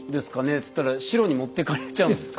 っつったら白に持ってかれちゃうんですか？